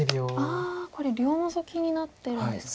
あこれ両ノゾキになってるんですか。